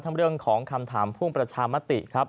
เรื่องของคำถามพ่วงประชามติครับ